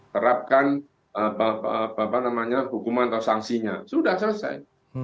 terapkan hukuman atau sanksinya sudah selesai